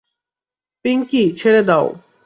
পিঙ্কি, ছেড়ে দাও!